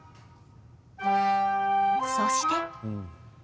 そして。